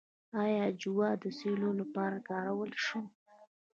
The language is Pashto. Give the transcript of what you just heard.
آیا جوار د سیلو لپاره کارولی شم؟